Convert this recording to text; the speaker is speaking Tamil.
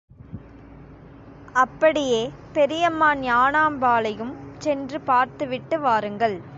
அப்படியே பெரியம்மா ஞானாம்பாளையும்சென்று பார்த்துவிட்டு வாருங்கள்.